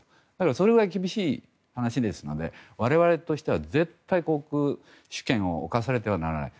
それぐらい厳しい話ですので我々としては絶対航空主権を侵されてはならない。